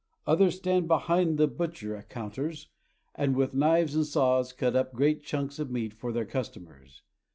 Others stand behind the butcher counters, and with knives and saws cut up great chunks of meat for their customers.